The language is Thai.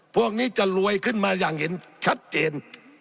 พวกนี้จะรวยขึ้นมาอย่างเห็นชัดเจน